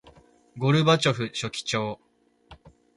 ゴルバチョフ書記長